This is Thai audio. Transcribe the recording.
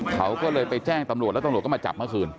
เขาก็เลยไปแจ้งตำรวจแล้วตำรวจก็มาจับเมื่อคืน